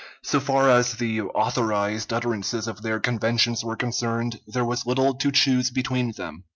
So far as the authorized utterances of their conventions were concerned, there was little to choose between them.